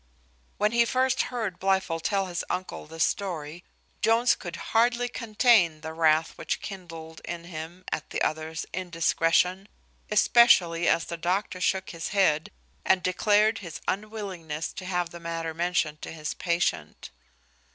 When he first heard Blifil tell his uncle this story, Jones could hardly contain the wrath which kindled in him at the other's indiscretion, especially as the doctor shook his head, and declared his unwillingness to have the matter mentioned to his patient.